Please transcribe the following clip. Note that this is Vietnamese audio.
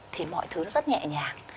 thì mọi thứ rất nhẹ nhàng